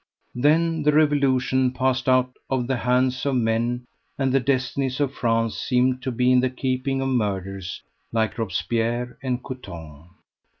Then the revolution passed out of the hands of men, and the destinies of France seemed to be in the keeping of murderers like Robespierre and Couthon.